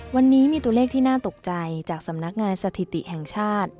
วันนี้มีตัวเลขที่น่าตกใจจากสำนักงานสถิติแห่งชาติ